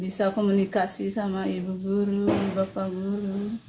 bisa komunikasi sama ibu guru bapak guru